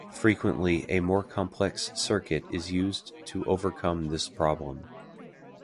Frequently, a more complex circuit is used to overcome this problem.